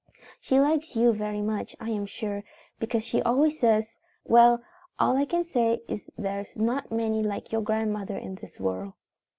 "She likes you very much, I am sure, because she always says, 'Well, all I can say is there's not many like your grandmother in this world.'